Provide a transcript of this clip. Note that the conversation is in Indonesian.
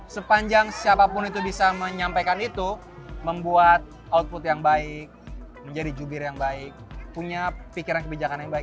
sepanjang siapapun itu bisa menyampaikan itu membuat output yang baik menjadi jubir yang baik punya pikiran kebijakan yang baik